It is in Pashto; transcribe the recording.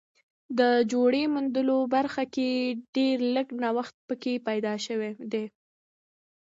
د جوړې موندلو برخه کې ډېر لږ نوښت پکې شوی دی